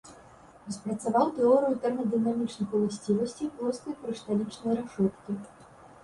Распрацаваў тэорыю тэрмадынамічных уласцівасцей плоскай крышталічнай рашоткі.